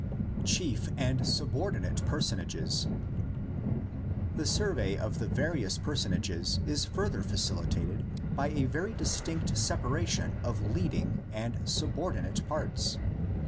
CHIEF AND SUBORDINATE PERSONAGES. The survey of the various personages is further facilitated by a very distinct separation of leading and subordinate parts.